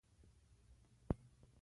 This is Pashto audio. ښه مدیریت د پیرودونکو خوښي تضمینوي.